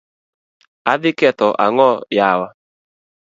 Adhi ketho ang'o yawa.